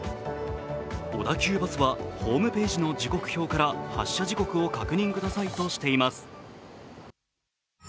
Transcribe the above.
小田急バスはホームページの時刻表から発車時刻を確認くださいとしています。